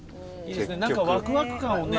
何かワクワク感をね